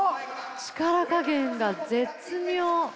力加減が絶妙。